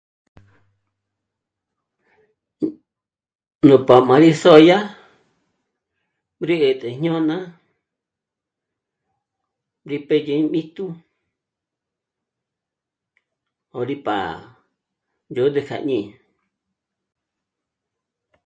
Nú' p'á rí sö̌'dya rí 'ä̀t'ä jñôna rí pédyè bíjtu 'ó rí pá'a ndzód'ü kja ñí'i